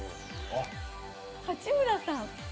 八村さん。